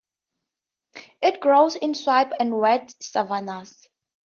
It grows in swamps and wet savannas.